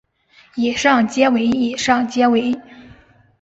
以上皆为以上皆为